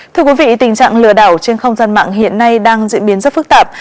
thưa quý vị tình trạng lừa đảo trên không gian mạng hiện nay đang diễn biến rất phức tạp